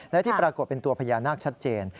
และที่ปรากฏเป็นตัวพญานาคชัดเจน